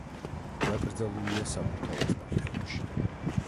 დაკრძალულია საბურთალოს პანთეონში.